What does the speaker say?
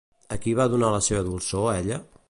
A qui va donar la seva dolçor ella?